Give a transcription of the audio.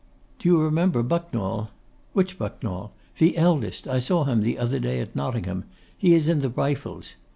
'Do you remember Bucknall? Which Bucknall? The eldest: I saw him the other day at Nottingham; he is in the Rifles.